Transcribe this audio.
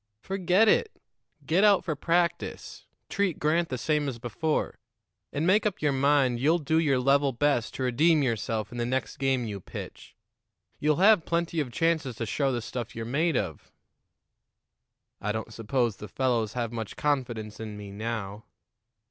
Forget it. Get out for practice, treat Grant the same as before, and make up your mind you'll do your level best to redeem yourself in the next game you pitch. You'll have plenty of chances to show the stuff you're made of." "I don't suppose the fellows have much confidence in me now."